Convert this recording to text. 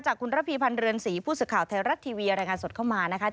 คุณระพีพันธ์เรือนศรีผู้สื่อข่าวไทยรัฐทีวีรายงานสดเข้ามานะคะ